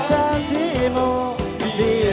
rambi ruang dia